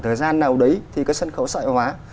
thời gian nào đấy thì cái sân khấu sợi hóa